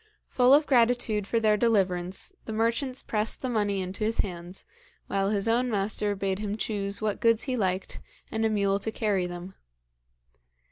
Full of gratitude for their deliverance, the merchants pressed the money into his hands, while his own master bade him choose what goods he liked, and a mule to carry them.